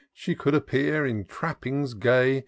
She could appear in trappings gay.